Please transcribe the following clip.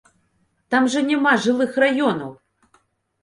Там жа няма жылых раёнаў!